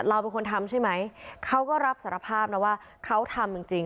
เราเป็นคนทำใช่ไหมเขาก็รับสารภาพนะว่าเขาทำจริง